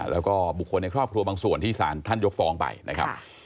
แล้วก็บุคคลในครอบครัวบางส่วนที่สารท่านยกฟ้องไปนะครับ